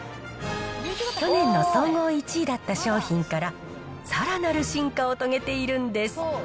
去年の総合１位だった商品から、さらなる進化を遂げているんです。